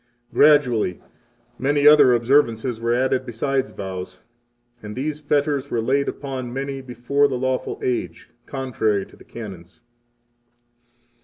3 Gradually, many other observances were added besides vows. 4 And these fetters were laid upon many before the lawful age, contrary to the Canons.